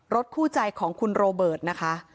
คู่ใจของคุณโรเบิร์ตนะคะ